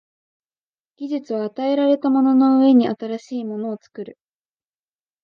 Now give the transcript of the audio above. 技術は与えられたものの上に新しいものを作る。